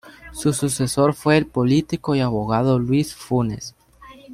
Su sucesor fue el político y abogado Luis Funes.